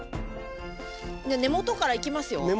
根元からいきますよ。